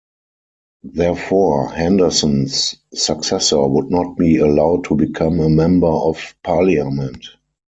Therefore, Henderson's successor would not be allowed to become a Member of Parliament.